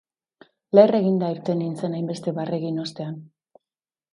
Leher eginda irten nintzen hainbeste barre egin ostean.